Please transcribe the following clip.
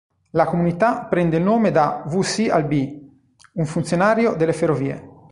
La comunità prende il nome da W. C. Albee, un funzionario delle ferrovie.